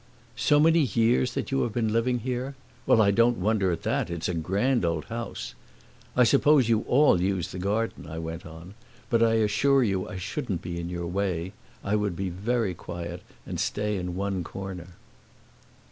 "So many years that you have been living here? Well, I don't wonder at that; it's a grand old house. I suppose you all use the garden," I went on, "but I assure you I shouldn't be in your way. I would be very quiet and stay in one corner."